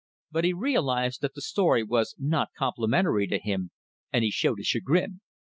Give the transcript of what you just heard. But he realized that the story was not complimentary to him, and he showed his chagrin.